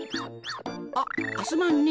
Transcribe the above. あっすまんね。